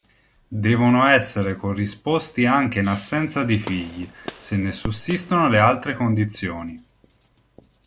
Devono essere corrisposti anche in assenza di figli, se ne sussistono le altre condizioni.